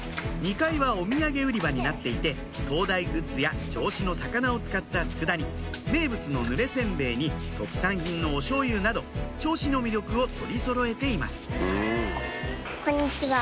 ２階はお土産売り場になっていて灯台グッズや銚子の魚を使った佃煮名物のぬれ煎餅に特産品のおしょうゆなど銚子の魅力を取りそろえています